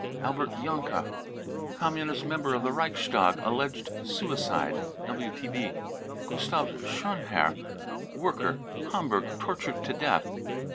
albert janka, Communist member of the Reichstag, alleged suicide. ( WTB .) gustav schonherr, worker, Hamburg, tortured to death.